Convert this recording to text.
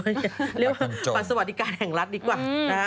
เรียกว่าบัตรสวัสดิการแห่งรัฐดีกว่า